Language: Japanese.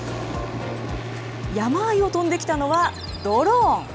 山あいを飛んできたのはドローン。